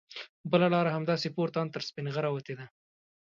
بله لاره همداسې پورته ان تر سپینغره وتې ده.